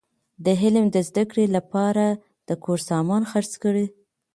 د علم د زده کړي له پاره د کور سامان خرڅ کړئ!